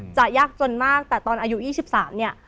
ยากจนมากแต่ตอนอายุ๒๓เนี่ย